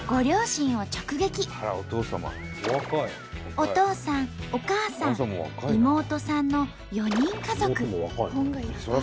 お父さんお母さん妹さんの４人家族。